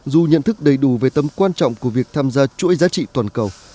dù nhận thức đầy đủ về tấm quan trọng của việc tham gia chuỗi giá trị toàn cầu